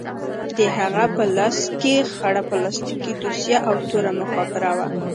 د هغه په لاس کښې خړه پلاستيکي دوسيه او توره مخابره وه.